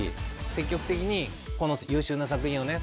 積極的にこの優秀な作品をね